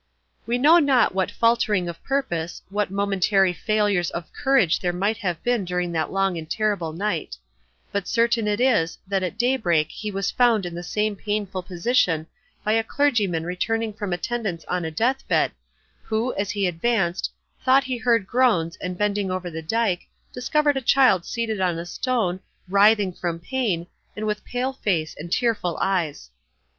We know not what faltering of purpose, what momentary failures of courage there might have been during that long and terrible night; but certain it is, that at daybreak he was found in the same painful position by a clergyman returning from attendance on a deathbed, who, as he advanced, thought he heard groans, and bending over the dike, discovered a child seated on a stone, writhing from pain, and with pale face and tearful eyes.